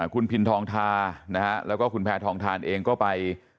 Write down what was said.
คุณพินทองทานะฮะแล้วก็คุณแพทองทานเองก็ไป